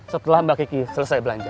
setelah mbak kiki selesai belanja